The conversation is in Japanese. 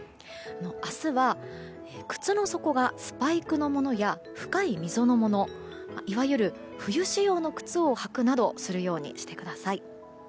明日は靴の底がスパイクのものや深い溝のものいわゆる冬仕様の靴を履くなどするようにしてください。